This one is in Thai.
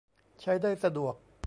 ใช้ได้สะดวก